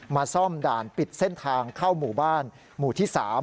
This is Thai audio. ซ่อมด่านปิดเส้นทางเข้าหมู่บ้านหมู่ที่๓